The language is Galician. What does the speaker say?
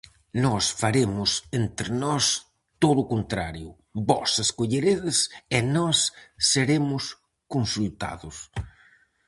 Nós faremos entre nós todo o contrario: vós escolleredes e nós seremos consultados.